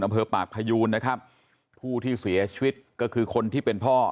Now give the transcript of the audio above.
อำเภอปากพยูนนะครับผู้ที่เสียชีวิตก็คือคนที่เป็นพ่อ